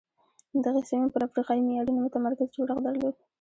دغې سیمې پر افریقایي معیارونو متمرکز جوړښت درلود.